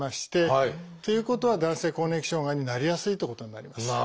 ということは男性更年期障害になりやすいということになります。